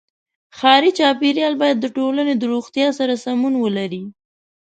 ښاري چاپېریال باید د ټولنې د روغتیا سره سمون ولري.